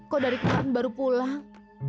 kok dari kan baru pulang